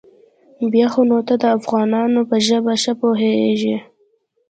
بيا خو نو ته د افغانانو په ژبه ښه پوېېږې.